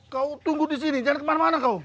kau tunggu di sini jangan kemana mana kau